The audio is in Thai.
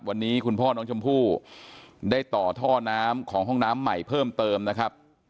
วันนี้คุณพ่อน้องชมพู่ได้ต่อท่อน้ำของห้องน้ำใหม่เพิ่มเติมนะครับ